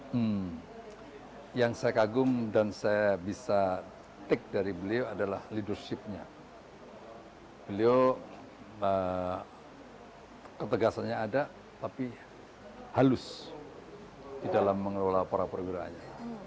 hmm yang saya kagum dan saya bisa take dari beliau adalah leadershipnya beliau ketegasannya ada tapi halus di dalam mengelola para perwiranya